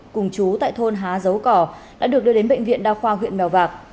cùng chú tại thôn há dấu cỏ đã được đưa đến bệnh viện đa khoa huyện mèo vạc